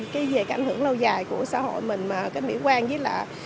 cái về cảnh hưởng lâu dài của xã hội mình mà cái miễn quan với là